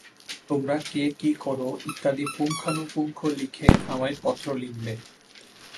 তোমরা কে কি কর ইত্যাদি পুঙ্খানুপুঙ্খ লিখে আমায় পত্র লিখবে।